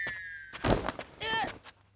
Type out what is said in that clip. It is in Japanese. えっ？